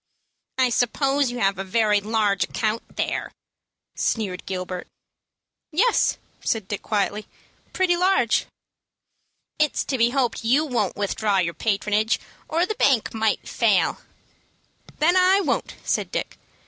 "I suppose you have a very large account there," sneered Gilbert. "Yes," said Dick, quietly; "pretty large." "It's to be hoped you won't withdraw your patronage, or the bank might fail." "Then I won't," said Dick.